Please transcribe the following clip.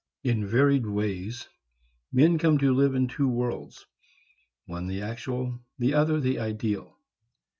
In varied ways men come to live in two worlds, one the actual, the other the ideal.